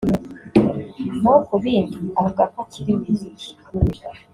naho kubindi avuga ko akiri Wizkid